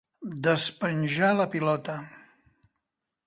Despenjar la pilota.